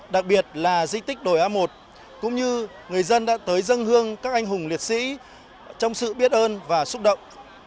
đặc biệt là di tích đồi a một cũng như người dân đã tới dân hương các anh hùng liệt sĩ trong sự biết ơn và xúc động